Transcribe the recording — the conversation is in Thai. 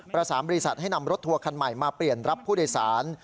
ประสานบริษัทให้นำรถทัวร์คันใหม่มาเปลี่ยนรับผู้โดยสาร